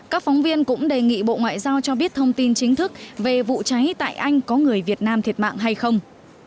các phóng viên cũng đề nghị bộ ngoại giao cho biết thông tin chính thức về vụ cháy tại anh có người việt nam thiệt mạng hay không